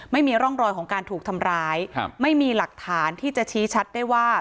ไม่มีร่องรอยของการถูกทำร้ายครับไม่มีหลักฐานที่จะชี้ชัดได้ว่า